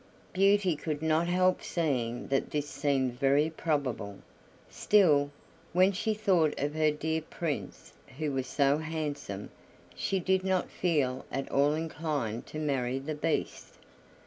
Beauty could not help seeing that this seemed very probable; still, when she thought of her dear Prince who was so handsome, she did not feel at all inclined to marry the Beast.